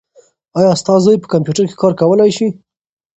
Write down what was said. ایا ستا زوی په کمپیوټر کې کار کولای شي؟